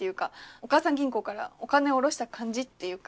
「お母さん銀行」からお金下ろした感じっていうか。